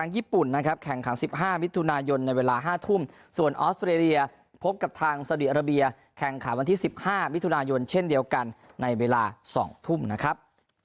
ญี่ปุ่นนะครับแข่งขันสิบห้าวิทยุณายนในเวลาห้าทุ่มส่วนออสเตรเลียพบกับทางสาวโดยระเบียแข่งขับวันที่สิบห้าวิทยุณายนเช่นเดียวกันในเวลาสองทุ่มนะครับ